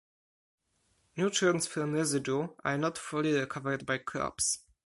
Nutrients from residue are not fully recovered by crops.